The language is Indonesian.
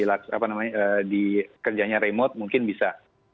apa namanya di kerjanya remote mungkin bisa